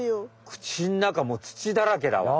口ん中もう土だらけだわ。